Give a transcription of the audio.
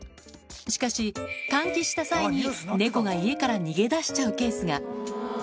しかし、換気した際に猫が家から逃げ出しちゃうケースが。